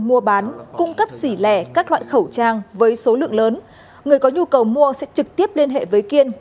mua bán cung cấp xỉ lẻ các loại khẩu trang với số lượng lớn người có nhu cầu mua sẽ trực tiếp liên hệ với kiên